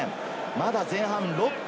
まだ前半６分。